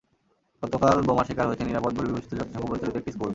গতকাল বোমার শিকার হয়েছে নিরাপদ বলে বিবেচিত জাতিসংঘ পরিচালিত একটি স্কুল।